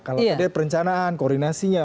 kalau itu perencanaan koordinasinya